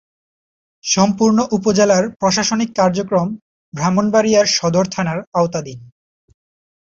সম্পূর্ণ উপজেলার প্রশাসনিক কার্যক্রম ব্রাহ্মণবাড়িয়া সদর থানার আওতাধীন।